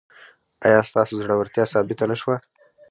ایا ستاسو زړورتیا ثابته نه شوه؟